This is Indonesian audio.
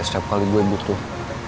setiap kali gue butuh